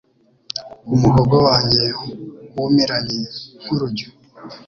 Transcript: Umuhogo wanjye wumiranye nk’urujyo